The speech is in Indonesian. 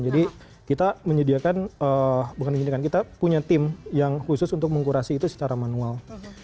jadi kita menyediakan bukan menyediakan kita punya tim yang khusus untuk mengkurasi itu secara manual